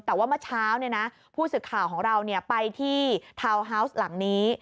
แต่ว่าเมื่อเช้าผู้สื่อข่าวของเราไปที่ทาวน์ฮาวส์หลังนี้